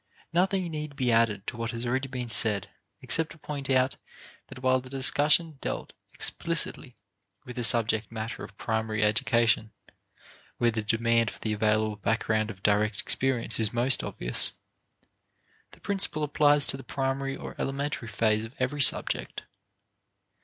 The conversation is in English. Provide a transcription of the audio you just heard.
Nothing need be added to what has already been said except to point out that while the discussion dealt explicitly with the subject matter of primary education, where the demand for the available background of direct experience is most obvious, the principle applies to the primary or elementary phase of every subject.